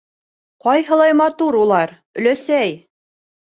Ҡайһылай матур улар, өләсәй!